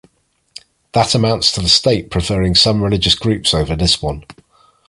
That amounts to the state preferring some religious groups over this one.